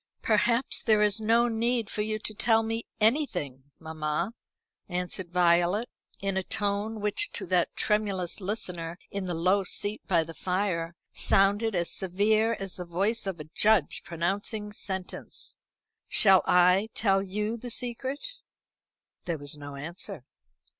"Perhaps there is no need for you to tell me anything, mamma," answered Violet, in a tone which, to that tremulous listener in the low seat by the fire, sounded as severe as the voice of a judge pronouncing sentence. "Shall I tell you the secret?" There was no answer.